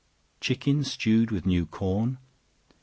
Chicken Stewed with New Corn.